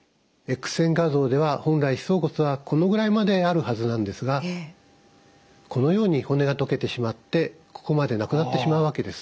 Ｘ線画像では本来歯槽骨はこのぐらいまであるはずなんですがこのように骨が溶けてしまってここまでなくなってしまうわけです。